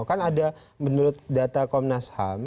kan ada menurut data komnas ham